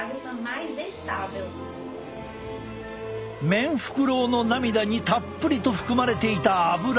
メンフクロウの涙にたっぷりと含まれていたアブラ。